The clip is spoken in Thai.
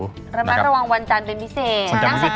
ระมัดระวังวันจันทร์เป็นพิเศษ